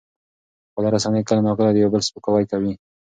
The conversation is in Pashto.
خواله رسنۍ کله ناکله د یو بل سپکاوی کوي.